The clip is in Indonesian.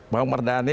bang amar dhani